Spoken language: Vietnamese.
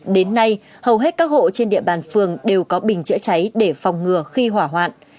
đến nay hầu hết các hộ trên địa bàn phường đều có bình chữa cháy để phòng ngừa khi hỏa hoạn